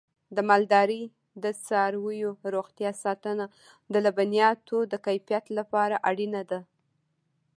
د مالدارۍ د څارویو روغتیا ساتنه د لبنیاتو د کیفیت لپاره اړینه ده.